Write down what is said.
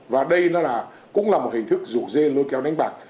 và đây cũng là một hình thức rủ dê lôi kéo đánh bạc